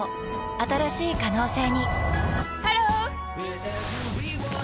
新しい可能性にハロー！